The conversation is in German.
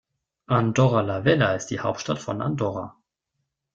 Andorra la Vella ist die Hauptstadt von Andorra.